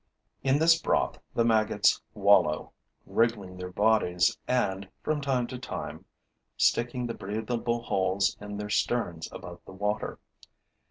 In this broth the maggots wallow, wriggling their bodies and, from time to time, sticking the breathing holes in their sterns above the water.